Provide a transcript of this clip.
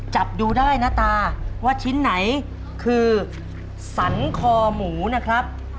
จับดูได้นะตาว่าชิ้นไหนคือสันคอหมูนะครับ